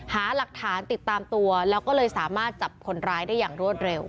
หาหลักฐานติดตามตัวแล้วก็เลยสามารถจับคนร้ายได้อย่างรวดเร็ว